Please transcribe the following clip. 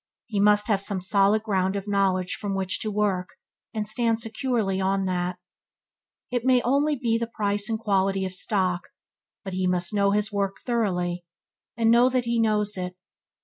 He must have some solid ground of knowledge from which to work, and stand securely on that. It may be only the price and quality of stock, but he must know his work thoroughly, and know that he knows it.